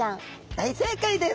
大正解です！